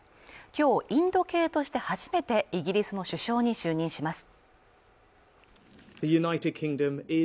今日インド系として初めてイギリスの首相に就任します